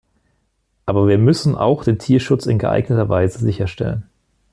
Aber wir müssen auch den Tierschutz in geeigneter Weise sicherstellen.